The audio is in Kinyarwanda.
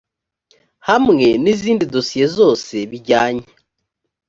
hamwe n izindi dosiye zose bijyanye